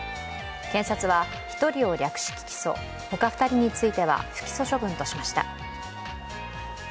検察は１人を略式起訴他２人については不起訴処分としました。